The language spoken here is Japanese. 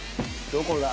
どこだ？